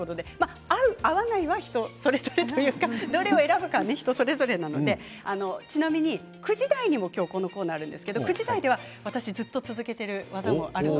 合う合わないは人それぞれというかどれを選ぶかは人それぞれなんですけどちなみに９時台にも今日このコーナーがありますが私がずっと続けている技もあります。